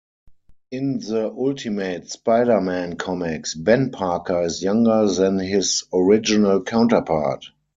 In the Ultimate Spider-Man comics, Ben Parker is younger than his original counterpart.